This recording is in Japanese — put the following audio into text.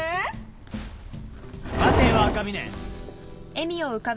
待てよ赤嶺。